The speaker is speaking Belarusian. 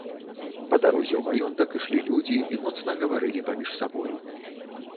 Па дарозе ў маёнтак ішлі людзі і моцна гаварылі паміж сабою.